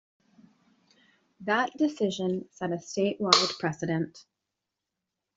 That decision set a statewide precedent.